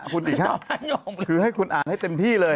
คุณอีกค่ะคุณอ่านให้เต็มที่เลย